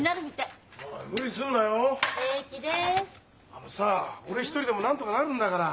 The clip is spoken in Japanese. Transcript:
あのさ俺一人でもなんとかなるんだから。